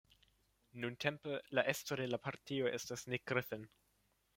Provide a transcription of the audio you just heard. Nuntempe la estro de la partio estas Nick Griffin.